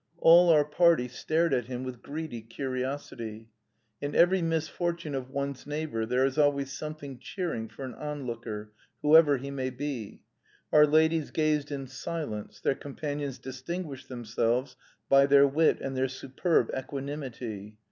All our party stared at him with greedy curiosity. In every misfortune of one's neighbour there is always something cheering for an onlooker whoever he may be. Our ladies gazed in silence, their companions distinguished themselves by their wit and their superb equanimity.